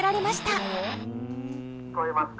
「聞こえますか？